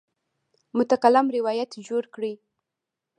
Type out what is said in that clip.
متکلم روایت جوړ کړی.